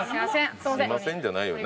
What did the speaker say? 「すいません」じゃないよ。